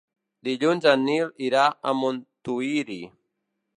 Dilluns en Nil irà a Montuïri.